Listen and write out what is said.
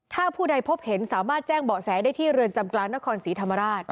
ถ้าผู้ใดพบเห็นสามารถแจ้งเบาะแสได้ที่เรือนจำกลางนครศรีธรรมราช